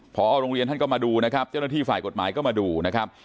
พอโรงเรียนท่านก็มาดูนะครับเจ้าหน้าที่ฝ่ายกฎหมายก็มาดูนะครับ